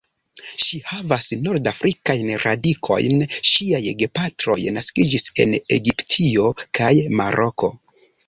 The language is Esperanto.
Ŝi havas nord-afrikajn radikojn; ŝiaj gepatroj naskiĝis en Egiptio kaj Maroko.